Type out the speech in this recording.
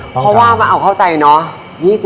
เพราะว่ามาเอาเข้าใจเนาะ